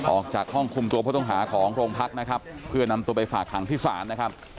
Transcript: ออกจากห้องคุมตัวผู้ต้องหาของโรงพักนะครับเพื่อนำตัวไปฝากหางที่ศาลนะครับ